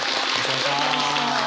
お願いします。